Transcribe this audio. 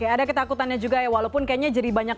ada ketakutannya juga ya walaupun kayaknya jadi banyak